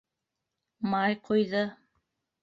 Май ҡуйҙы.